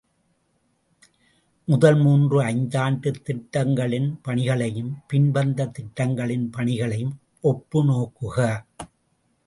முதல் மூன்று ஐந்தாண்டுத் திட்டங்களின் பணிகளையும் பின் வந்த திட்டங்களின் பணிகளையும் ஒப்பு நோக்குக!